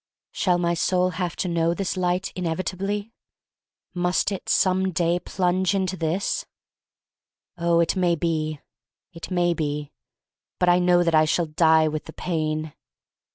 Shall my soul have to know this Light, inevitably? Must it, some day, plunge into this? Oh, it may be — it may be. But I know that I shall die with the pain.